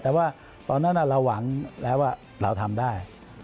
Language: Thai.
แต่ว่าตอนนั้นเราหวังแล้วว่าเราทำได้